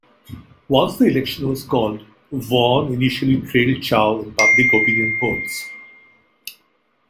Once the election was called, Vaughan initially trailed Chow in public opinion polls.